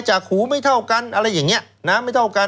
หูไม่เท่ากันอะไรอย่างนี้น้ำไม่เท่ากัน